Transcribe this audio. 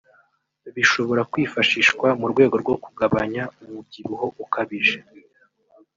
bishobora kwifashishwa mu rwego rwo kugabanya umubyibuho ukabije